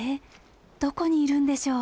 どこにいるんでしょう？